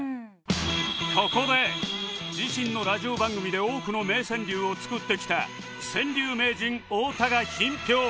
ここで自身のラジオ番組で多くの名川柳を作ってきた川柳名人太田が品評